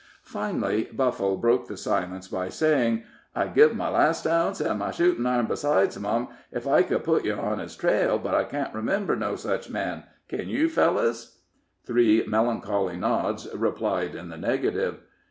Finally Buffle broke the silence by saying: "I'd give my last ounce, and my shootin' iron besides, mum, ef I could put yer on his trail; but I can't remember no such man; ken you, fellers?" Three melancholy nods replied in the negative.